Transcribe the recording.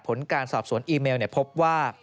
ผลการสอบสวนอีเมลพบว่า